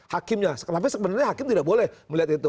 hakimnya tapi sebenarnya hakim tidak boleh melihat itu